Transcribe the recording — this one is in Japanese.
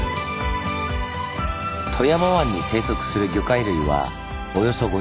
富山湾に生息する魚介類はおよそ５００種類。